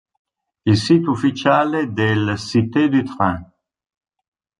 Il sito ufficiale del "Cité du train"